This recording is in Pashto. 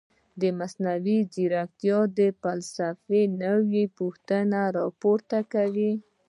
مصنوعي ځیرکتیا د فلسفې نوې پوښتنې راپورته کوي.